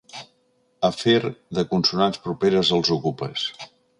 Afer de consonants properes als okupes.